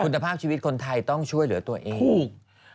คุณภาพชีวิตคนไทยต้องช่วยเหลือตัวเองถูก